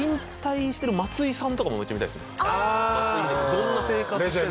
どんな生活してるのか。